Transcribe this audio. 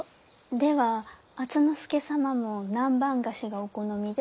では敦之助様も南蛮菓子がお好みで。